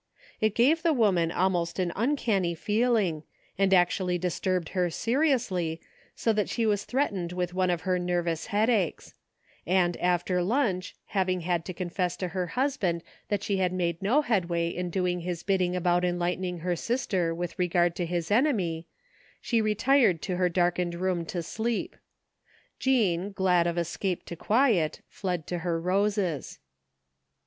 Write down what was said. It gave the woman almost an im canny feeling, and actually disturbed her seriously, so that she was threatened with one of her nervous head aches; and after limch, having had to confess to her husband that she had made no headway in doing his bidding about enlightening her sister with regard to his enemy, she retired to her darkened room to sleep. Jean, glad of escape to quiet, fled to her roses.